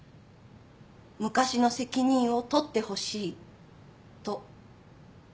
「昔の責任を取ってほしい」と。